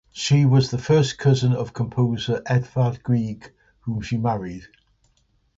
She was the first cousin of composer Edvard Grieg, whom she married.